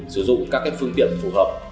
sử dụng các cái phương tiện phù hợp